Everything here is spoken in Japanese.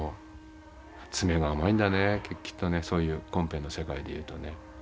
詰めが甘いんだねきっとねそういうコンペの世界でいうとね。